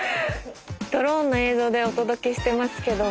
ドローンの映像でお届けしてますけども。